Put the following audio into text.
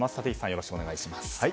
よろしくお願いします。